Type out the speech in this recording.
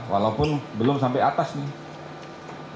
walaupun belum sampai atas nih